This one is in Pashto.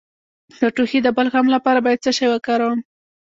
د ټوخي د بلغم لپاره باید څه شی وکاروم؟